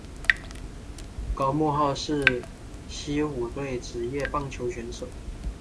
高木浩之西武队职业棒球选手。